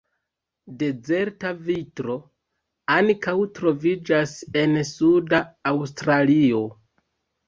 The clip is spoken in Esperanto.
Dezerta vitro ankaŭ troviĝas en suda Aŭstralio.